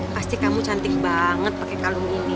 pasti kamu cantik banget pakai kalungnya ini ya